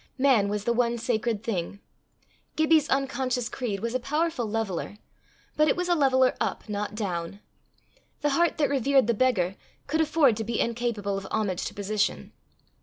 Man was the one sacred thing. Gibbie's unconscious creed was a powerful leveller, but it was a leveller up, not down. The heart that revered the beggar could afford to be incapable of homage to position.